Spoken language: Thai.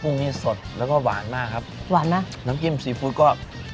นี้สดแล้วก็หวานมากครับหวานนะน้ำจิ้มซีฟู้ดก็